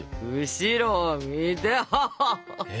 後ろを見て！